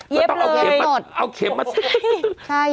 ก็ต้องเอาเข็มมาเสร็จ